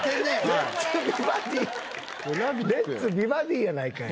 『Ｌｅｔ’ｓ美バディ』やないかい。